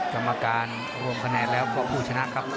กรรมการรวมคะแนนแล้วก็ผู้ชนะครับ